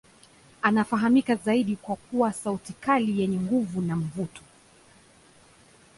Anafahamika zaidi kwa kuwa sauti kali yenye nguvu na mvuto.